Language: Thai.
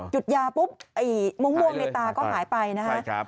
จุดยาปุ๊บม่วงในตาก็หายไปนะครับ